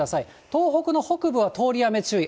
東北の北部は通り雨注意。